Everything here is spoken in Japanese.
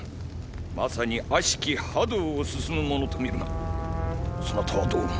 まさに悪しき覇道を進む者と見るがそなたはどう思う？